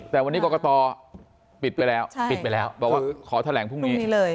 แต่วันนี้กรกตอปิดไปแล้วใช่ปิดไปแล้วบอกว่าขอแถวแหลงพรุ่งนี้พรุ่งนี้เลย